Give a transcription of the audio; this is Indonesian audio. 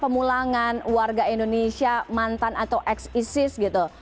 pemulangan warga indonesia mantan atau ex isis gitu